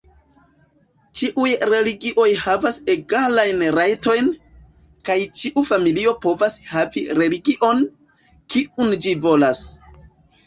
Ĉiuj religioj havas egalajn rajtojn, kaj ĉiu familio povas havi religion, kiun ĝi volas.